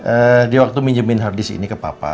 eh dia waktu minjemin hardisk ini ke papa